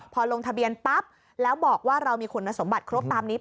พอลงทะเบียนปั๊บแล้วบอกว่าเรามีคุณสมบัติครบตามนี้